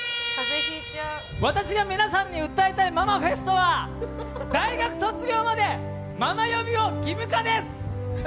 私が皆さんに訴えたいママフェストは大学卒業までママ呼びを義務化です。